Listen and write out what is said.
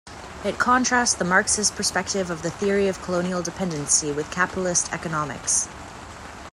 It contrasts the Marxist perspective of the Theory of Colonial Dependency with capitalist economics.